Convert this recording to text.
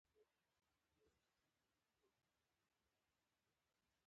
ځوانان مو وژل کېږي، دا څنګه ازادي ده.